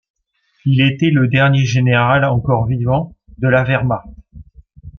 Il était le dernier Général encore vivant de la Wehrmacht.